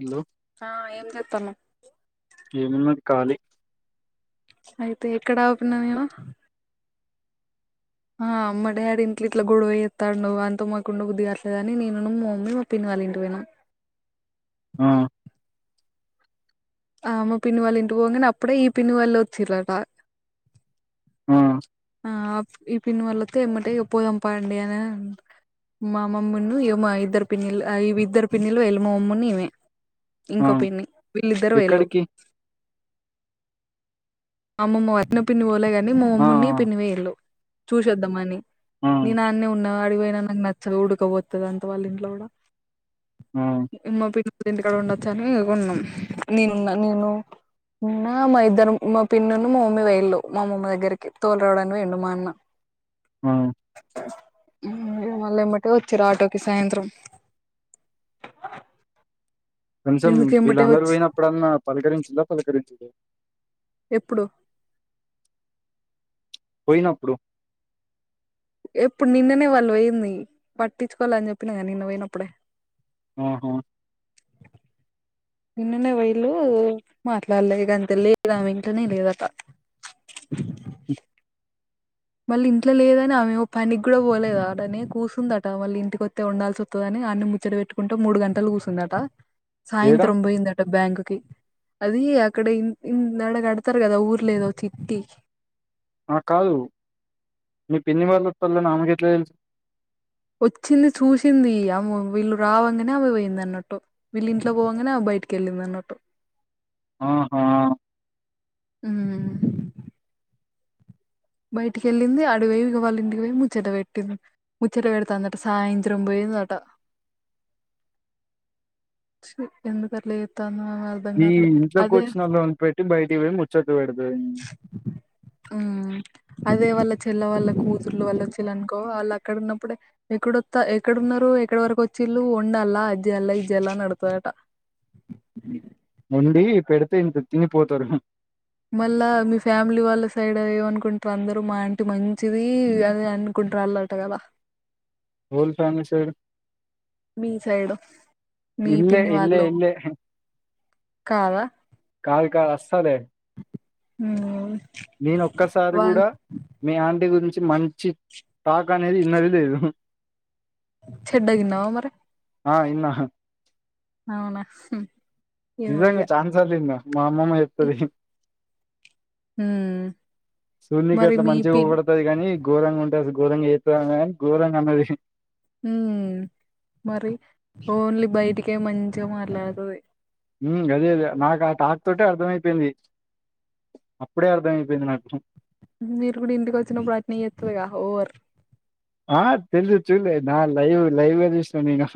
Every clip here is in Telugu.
హలో ఆ ఏం చెత్తాన్నావ్ ఏమున్నది కాలి అయితే ఎక్కడ ఆపూన్నా నేను ఆ మా డాడి ఇంట్ల ఇట్ల గొడవ చెత్తాండు ఆయనతో మాకుండ బుద్దిగావట్లేదు అని నేనును మా మమ్మీ మా పిన్ని వాళ్ళ ఇంటికి పోయినం ఆ ఆ మా పిన్నివాళ్ళ ఇంటికి పొంగానే అప్పుడే ఈ పిన్నివాళ్ళు వచ్చిరట ఆ ఆ ఈ పిన్ వళ్లతో ఏమ్మటె ఇగ పోదాం పాండి అని మా మమ్మని ఇగ మా ఇద్దరు పిన్నిలు ఆ వి ఇద్దరు పిన్నిలు వెళ్ళు మా మమ్మని ఇవే ఆ ఇంకో పిన్ని వీళ్ళిద్దరు వెళ్ళు ఎక్కడికి అమ్మమ ని పోలే కానీ మా ఆ మమ్మున్ని ఆ పిన్ని పోయిళ్లు చూసోద్దామని ఆ నేను ఆన్నే ఉన్నా అడివయినా నాకు నచ్చదు ఉడకపోతుంది అంత వాళ్ళ ఇంట్లో కూడా ఆ ఇమ్మ పిల్లలు ఇంటికడ ఉండొచ్చని ఇగ ఉన్నాం నేనున్న నేను నా మా ఇద్దరు పిన్నను మా మమ్మీ పోయిళ్లు మా మమ్మ దగ్గరికి తోల రావడాని పోయిండు మా అన్న ఆ మళ్ళ ఎమ్మటే వచ్చిరు ఆటోకి సాయంత్రం కొంచెం ఎందుకు వీళ్ళు ఎమ్మటే అనరు వచ్చి పోయినప్పుడన్నా పలకరించిలా పలకరించలే ఎప్పుడు పోయినప్పుడు ఎప్పుడు నిన్ననే వాళ్ళు పోయింది పట్టించుకోల అని చెప్పిన గా నిన్న పోయినప్పుడే ఆహా నిన్ననే పోయిళ్లు మాట్లాడలేదు గంతే లేదు ఇంట్లనే లేదంట హ్మ్. మళ్ళీ ఇంట్లో లేదని ఆమె ఏమో పనికి కూడా పోలేదు ఆడనే కూర్చందట మళ్ళీ ఇంటికొస్తే వండాల్సి వత్ తదని అన్ని ముచ్చడ పెట్టుకుంట మూడు గంటలు కూర్చందట ఏడా సాయంత్రం పోయిందట బ్యాంక్కి అది అక్కడ ఇ అడగడతారు కదా ఊర్లేద చిట్టి ఆ కాదు మీ పిన్ని వాళ్ళ వత్తాళ్లు అని ఆమెకేట్ల తెలుసు వచ్చింది చూసింది అ వీళ్ళు రావంగానే ఆమె పోయింది అన్నట్టు వీళ్ళ ఇంట్లో పోవంగానే బయటికి వెళ్ళింది అన్నట్టు ఆహా ఊ బయటికి వెళ్ళింది అడ ఓయి ఇగ వాళ్ళ ఇంటికి పోయి ముచ్చట పెట్టింది ముచ్చట పెడుతాందట సాయంత్రం పోయిందట చి ఎందుకట్ల చెత్తాందో ఈ ఇంట్లోకి వచ్చిన వాళ్ళన్ పెట్టి బయటకి పోయి ముచ్చట్లు పెడదది ఉమ్ అదే వాళ్ళ చెల్ల వాళ్ళ కూతుర్లు వాళ్ళ చెల్ల అనుకో వాళ్ళు అక్కడ ఉన్నప్పుడే ఎక్కడొత ఎక్కడున్నారు ఎక్కడ వరకు వచ్చిళ్ళు వండల్ అజ్జెయ్యాల ఇజ్ జెయ్యాల అని అడుగుతాదట వండి పెడితే ఇంత తిని పోతారు మళ్ళా మీ ఫ్యామిలీ వాళ్ళ సైడ్ ఏమ అనుకుంటారు అందరు మా ఆంటి మంచిది అనీ అ కుకుంట్రాళ్ళట కదా వోల్ ఫ్యామిలీ సైడ్ మీ సైడు మీ ఇల్లే పిన్ని ఇల్లే వాళ్ళు ఇల్లే కాదా కాదు కాదు అసలే ఉం నేను ఒక్కసారి కూడా మీ ఆంటీ గురించి మంచి టాక్ అనేది విన్నది లేదు చెడ్డగా విన్నావా మరి ఆ ఇన్న అవునా ఏమో నిజంగా ఇగ చాన సార్లు ఇన్న మా అమ్మమ్మ చెప్తది ఉమ్ చూడనికి మరి ఎంతా మీ మంచి పిన్ వస్తుది కాని గోరంగా ఉంటది ఘోరంగా చేస్తది అని గోరంగా అన్నది ఉ మరి ఓన్లీ బయటికే మంచిగా మాట్లాడుతది హ్మ్మ్ గదే ది నాకు ఆ టాక్ తోటే అర్థమయిపోయింది అప్పుడే అర్థమయిపోయింది నాకుం మీరు కూడా ఇంటికి వచ్చినప్పుడు అట్టనే చేస్తది కదా ఓవర్ ఆ తెలుసు చూలే నా లైవ్ లైవ్ చూసిన నేను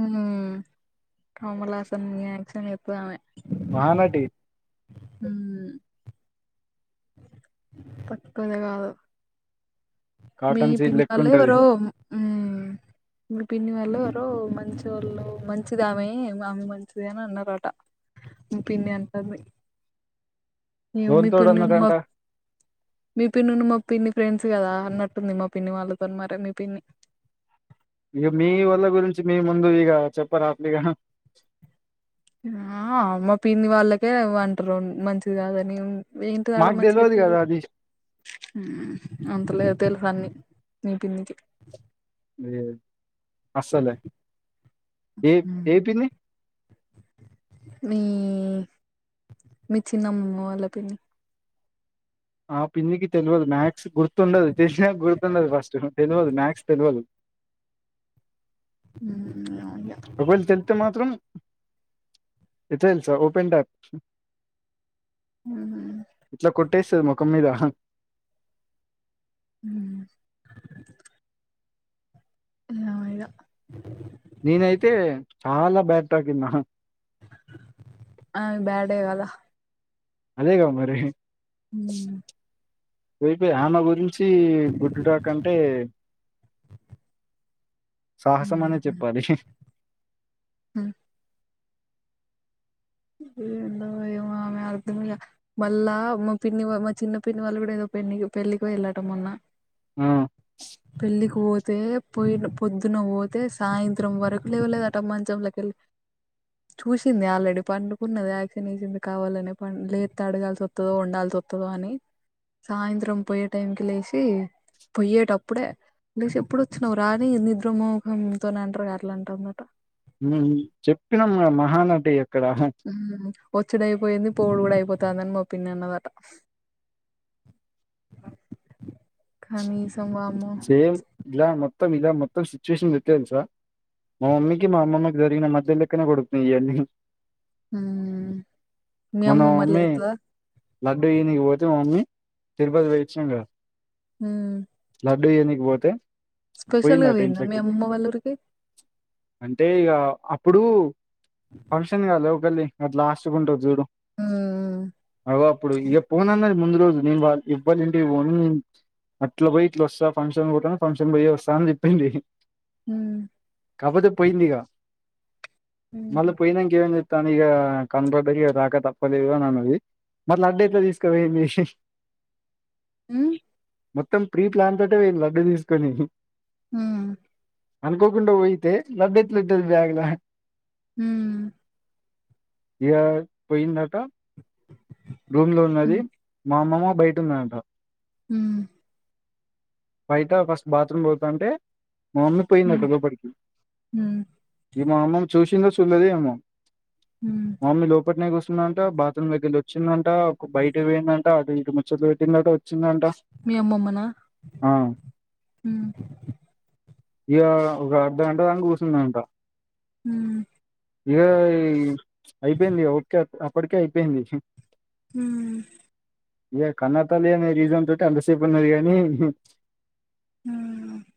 ఆ కమల్హాసన్ యాక్షన్ చేస్తాదామే మహానటి ఉం తక్కువదే కాదు మీ కాటన్ సీడ్ పిని లెక్క వాళ్ళ ఉంటది ఎవరో ఉం మి పిన్ని వాళ్ళు ఎరు మంచి వాళ్ళు మంచిది ఆమె ఆమె మంచిది అని అన్నారంట మా పిన్నింటంది మీ ఎవనితోడు పిన్నిని అన్నదంట మ మీ పిన్నీ ను మా పిన్ని ఫ్రెండ్స్ కదా అన్నట్టుంది మా పిన్ని వాళ్ళతో మరి మీ పిన్ని ఇగ మీ వల్ల గురించి మీ ముందు ఇక చెప్పరా ఇగ ఆ మా పిన్ని వాళ్ళకే అంటారు మంచిది కాదని ఏంటి ఆవిడ మాకు మంచిగా తెలవదు చెప్పది కదా అది అంతలేదు తెలుసాన్ని నీ పిన్నికి ఏ అస్సలే ఏ మ్మ్. ఏ పిన్నీ మీ మీ చిన్నమమ్మ వాళ్ళ పిన్ని ఆ పిన్నికి తెలవదు మాథ్స్ గుర్తుండదు తెలిసినా గుర్తుండదు ఫస్ట్ తెలవదు మాథ్స్ తెలవదు అ అవునులే. ఒక వేలా తెలితే మాత్రం ఎట్ల తెలుసా ఓపెన్ డాట్ ఇట్లా కొట్టేస్తది ముఖం మీద హ లయలె నేనైతే చాలా బ్యాడ్ టక్ ఇన్న ఆ బ్యాడే కదా అదేగా మరి మ్మ్. పోయి పోయి ఆమె గురించి గుడ్డు టాక్ అంటే సాహసం అనే మ్మ్. చెప్పాలి మ్మ్. ఎందో ఎమో ఆమె అర్ధమే క మళ్ళా మా పిన్ని మా చిన్న పిన్ని వాళ్ళు కూడ ఏదో పె పెళ్ళకి పోయిల్లాట మొన్న ఆ [inaudible] పెళ్ళికి పోతే పోయి పొద్దున పోతే సాయంత్రం వరకు లేవలేదాట మంచంలకెళ్ళి చూసింది ఆల్రెడీ పండుకున్నది యాక్షన్ చేసింది కావాలనే పం లేత్తే అడగాల్సి ఒత్తదో ఉండాల్సి ఒత్త దో అని సాయంత్రం పోయే టైంకి లేసి పొయ్యేటప్పుడే దేష్ ఎప్పుడు వచ్చినవు రా ని నిద్ర మొఖంతోని అంటరుగా అట్ల అంటందట ఉం చెప్పినం మహానటి అక్కడ ఊమ్ ఒచ్చుడైపోయింది పోవుడు కూడ అయిపోతాందని మా పిన్ని అన్నదట కనీస్ అం వామ్మో సేమ్ ఇలా మొత్తం ఇలా మొత్తం సిచ్చువేషన్ ఎట్ల తెలుసా మా మమ్మీకి మా అమ్మమ్మకి జరిగిన మధ్య లెక్కనే కొడుతున్నయి ఇయన్నీ మ్ మీ మొన్న మా అమ్మమ్మ మమ్మీ లేత్తదా లడ్డు ఈయనికి పోతే మా మమ్మీ తిరుపతి పోయి ఒచ్చినం కదా ఊమ్ లడ్డు ఇయనీకి పోతే స్పెషల్గ పోయిందట పోయిందా మీ ఇంట్లోకి అమ్మమ్మ వాళ్ళ ఊరికి అంటే ఇగా అప్పుడు ఫంక్షన్ కాద ఒకల్ది అటు లాస్ట్కుంటరు చూడు మ్ అగొ అప్పుడు ఇగ పోనన్నది ముందు రోజు నేను వాళ్ల ఎవ్వలింటికి పోను నేను అట్ల పోయి ఇట్ల ఒస్తా ఫంక్షన్ పోతాన ఫంక్షన్ పొయ్యే వస్తా అని చెప్పింది ఉమ్ కాపోతే పోయిందిగా మళ్ళ మ్ పోయినంక ఏమైం దాని ఇగా కనుబడ్డ ఇగ రాక తప్పలేదు అని అన్నది మరి లడ్డు ఎట్ల తీస్కపోయింది ఉమ్ మొత్తం ప్రీ ప్లాన్ తోటే పోయింది లడ్డు తీస్కొని ఉమ్ అనుకోకుండ పోయితే లడ్డు ఎట్లుంటది బ్యాగుల ఉమ్ ఇగా పోయిందాట రూమ్లో మ్ ఉన్నది మా అమ్మమ్మ బయట ఉన్నదాట ఉమ్ బయట ఫస్ట్ బాత్రూమ్ పోతాంటే మా మమ్మీ పోయిందట లోపటికి మ్ ఇగ మా మమ్మీని చూసిందో చూడలేదు ఏమో మ్ మా మమ్మీ లోపట్నే కూసుం దంట బాత్రూంల కెళ్ళి నుంచి వచ్చిందంట ఒక బయటకి పోయిందంట అటు ఇటు ముచ్చట్లు పెట్టిందంట వచ్చిందంట మీ అమ్మమ్మనా ఆ మ్ ఇగా ఒక అర్ధగంట దాంక కూసున్నదంట ఉమ్ ఇగా ఈ అయిపోయింది ఒకే అప్పటికే అయిపోయింది ఉమ్ ఇగ కన్నతల్లి అనే రీసన్ తోటి అంతసేపు ఉన్నది కనీ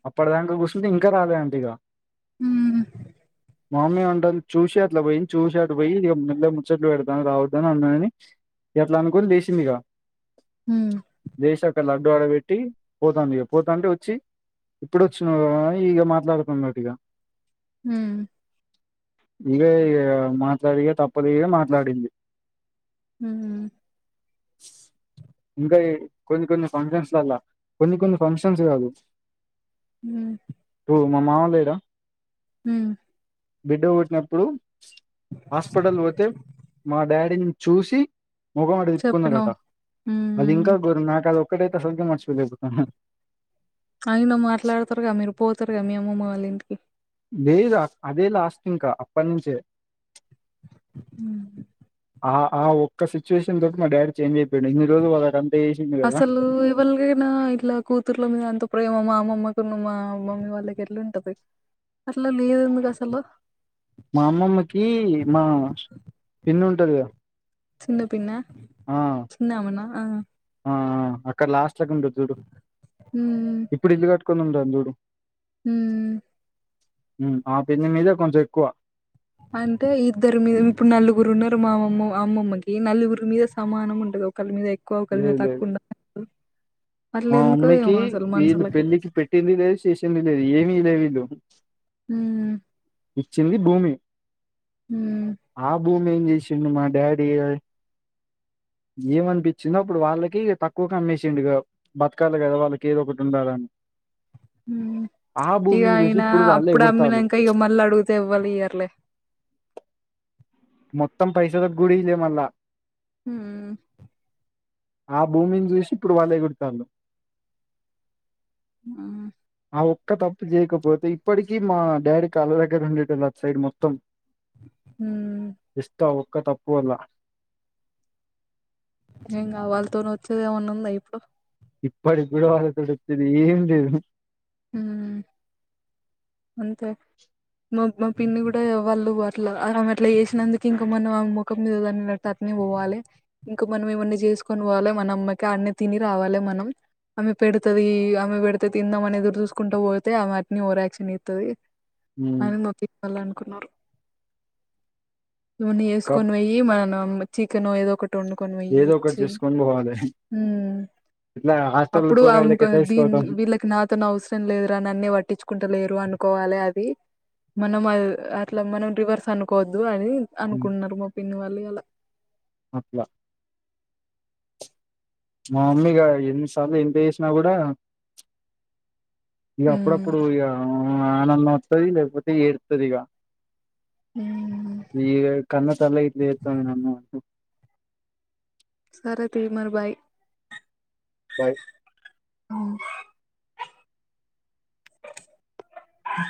అప్పటిదాంక కూర్చుంటే ఇంకా రాలేదు అంటీ ఇక. ఉమ్ మా మమ్మీ అంటంది, చూసి అట్లాపోయి చూసి అటుపోయి ఇక మెల్లగా ముచ్చట్లు పెడతాను రావద్దని అన్నానని ఇక అట్లా అనుకుని లేసిందిక, మ్ మ్ లేసి అక్కడ లడ్డు ఆడబెట్టి పోతాంది ఇక పోతాంటే వచ్చి ఇప్పుడు వచ్చినవా అని ఇక మాట్లాడుతున్నదిక. ఉమ్ ఇదే ఇగ మాట్లాడక తప్పదుగా మాట్లాడింది. ఉమ్ ఇంకా కొన్ని కొన్ని ఫంక్షన్స్ లల్ల కొన్ని కొన్ని ఫంక్షన్స్ కాదు, హ్మ్ ఇప్పుడు మా మామ లేడా ఉమ్ బిడ్డ పుట్టినప్పుడు హాస్పిటల్ పోతే మా డాడీని చూసి ముఖం అటు తిప్పుకున్నాడట, చెప్పినవు. అది హ్మ్ ఇంకా ఘోరం నాకు అది ఒక్కటైతే అసలుకే మర్చిపోలేకపోతన్నా ఆయన మాట్లాడతారుగా, మీరు పోతారుగా, మీ అమ్మమ్మ వాళ్ళ ఇంటికి. లేదు అదే లాస్ట్ ఇంకా అప్పటినుంచే ఉమ్ ఆ ఆ ఒక్క సిచ్యువేషన్ తోటి మా డాడీ చేంజ్ అయిపోయిండు. ఇన్నిరోజులు వాళ్ళకి అంత చేసిండు కదా. వాళ్ళకైనా ఇట్లా కూతుర్లు మీద అంత ప్రేమ మా అమమ్మకున్నూ మా మమ్మీ వాళ్ళకి ఎట్లుంటది అట్లా లేదెందుకు అసలు మా అమ్మమ్మకి మా పిన్ని ఉంటది కదా చిన్న పిన్నా, చిన్న అమెనా? ఆ అక్కడ లాస్ట్ సెకండ్ ఉమ్ ఇప్పుడు ఇల్లు కట్టుకోని ఉంటాము చూడు. ఉమ్ ఉమ్, ఆ పిన్ని మీద కొంచెం ఎక్కువ. అంటే ఇద్దరు మీద ఇప్పుడు నలుగురు ఉన్నారు మా అమ్మ అమ్మమ్మకి నలుగురి మీద సమానం ఉంటది ఒకళ్ళు మీద ఎ క్కువ ఒక్కలి మీద లేదు లేదు తగ్గకుండా మా మమ్మీకి అసలు వీళ్ళు మనుషులకి. పెళ్ళికి పెట్టింది లేదు చేసింది లేదు, ఏమియ్యలేదు వీళ్ళు. ఉమ్ ఇచ్చింది భూమి, హ్మ్ ఆ భూమి ఏం చేసిండు మా డాడీ ఏమనిపించిందో అప్పుడు వాళ్ళకి తక్కువకు అమ్మేసిండు ఇగ, బతకాలి కదా వాళ్ళకి ఏదో ఒకటి ఉండాలని. ఉమ్ ఆ ఇక భూమిని చూసి అయన ఇప్పుడు వాళ్ళే అప్పుడు ఎగురుతాలు అమ్మినంక ఇగ మళ్ళ అడుగు తెవ్వలియ్యరులే మొత్తం పైసలకి గూడా ఇయ్యలేదు మళ్ళా హుమ్ ఆ భూమిని చూసి ఇప్పుడు వాళ్ళు ఎగురుతాండు ఆ ఆ ఒక్క తప్పు చేయకపోతే, ఇప్పటికీ మా డాడీ కాళ్లదగ్గర ఉండేటోళ్ళు అటుసైడు మొత్తం. ఉమ్ జస్ట్ ఆ ఒక్క తప్పు వల్ల ఇంకా వాళ్ళతోన వచ్చేదేమన్నా ఉందా ఇప్పుడు? ఇప్పటికి కూడా వాళ్ళతోటి వచ్చేది ఏమిలేదు. ఉమ్ అంతే మా మా పిన్ని కూడా వాళ్ళు అట్లా ఆమె అట్లా చేసినందుకు ఇంకా మన ఆమె ముఖం మీద తన్నడు అట్లే పోవాలి ఇంకా మనం ఇవన్నీ చేసుకొని పోవాలి మన అమ్మకి అన్నె తిని రావాలి మనం ఆమె పెడుతది ఆమె పెడితే తిన్నాంమని ఎదురు చూసుకుంటూ పోతే ఆమె అట్లే ఓవర్ యాక్షన్ చేత్తది ఉమ్, అని మా పిన్ని ఆల్లు అనుకున్నారు ఇవన్నీ కప్ వేసుకొని పోయి మన చికెన్ ఏదో ఒకట్ వండుకొని పోయి ఏదో ఒకటి ఇచ్చి చేసుకొని పోవాలి హుమ్ ఇట్లా హాస్టల్ అప్పుడు పోరాళ్ళకి అనుకో ఎట్లా దీన్ తీసుకోవటం విలక్నాథ్ అతను అవసరం లేదు రా నన్నే పట్టించుకుంటలేరు పోవాలె అది మనం అట్లా మనం రివర్స్ అనుకోవద్దు అని ఉమ్, అనుకున్నరు మా పిన్ని వాళ్ళు ఇయాలా అ మా మమ్మీగా ఎన్ని సార్లు ఎంతేసినా కూడా ఇక అప్పుడప్పు హ్మ్ ఇప్పుడు ఇగ ఆనందం వత్తది లేకపోతే ఏడుత్తదిఇక హ్మ్ ఏ కన్నతల్లి అయితే చేత్తది అన్నం సరే తీర్మర్ బాయ్ బయ్ హువ్ ఆ